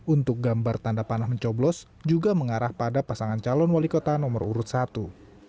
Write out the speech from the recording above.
untuk gambar tanda panah mencoblos juga mengarah pada pasangan calon wali kota nomor urut satu